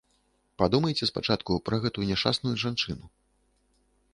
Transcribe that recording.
Падумайце спачатку пра гэтую няшчасную жанчыну.